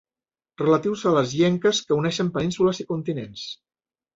Relatius a les llenques que uneixen penínsules i continents.